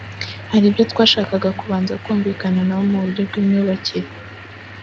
hari ibyo twashakaga kubanza kumvikana na bo mu buryo bw’imyubakire